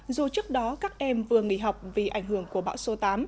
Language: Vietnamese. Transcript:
dù trước đó các em vừa nghỉ học vì ảnh hưởng của bão số tám